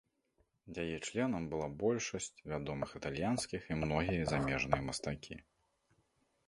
Яе членамі была большасць вядомых італьянскіх і многія замежныя мастакі.